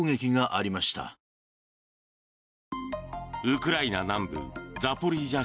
ウクライナ南部ザポリージャ